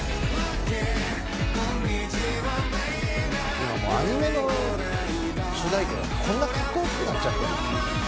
今アニメの主題歌がこんなカッコ良くなっちゃってる。